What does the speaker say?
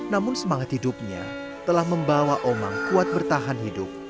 namun semangat hidupnya telah membawa omang kuat bertahan hidup